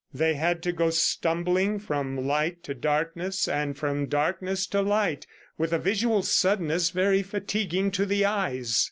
They had to go stumbling from light to darkness, and from darkness to light with a visual suddenness very fatiguing to the eyes.